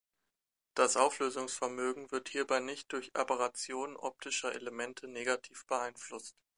Das Auflösungsvermögen wird hierbei nicht durch Aberrationen optischer Elemente negativ beeinflusst.